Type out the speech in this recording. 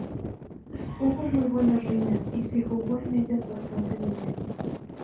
Hubo muy buenas riñas y se jugó en ellas bastante dinero".